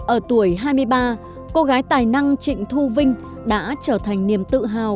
ở tuổi hai mươi ba cô gái tài năng trịnh thu vinh đã trở thành niềm tự hào